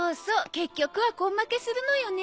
結局は根負けするのよね。